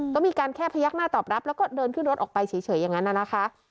ก็มีการแค่พยักหน้าตอบรับแล้วก็เดินขึ้นรถออกไปเฉยอย่างนั้นนะคะ